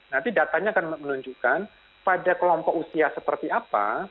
nanti datanya akan menunjukkan pada kelompok usia seperti apa